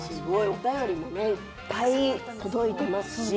お便りもいっぱい届いています。